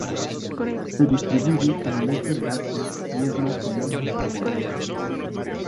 Se distribuye en el este de Asia, y es más común en Japón.